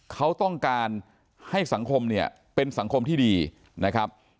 เขาต้องการให้สังคมเนี่ยเป็นสังคมที่ดีนะครับ